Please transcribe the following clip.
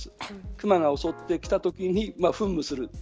クマが襲ってきたときに噴霧する。